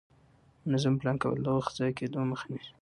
منظم پلان کول د وخت ضایع کېدو مخه نیسي